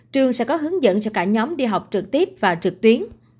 trường sẽ có hướng dẫn cho cả nhóm đi học trực tiếp và trực tuyến